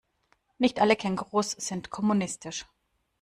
Nicht alle Kängurus sind kommunistisch.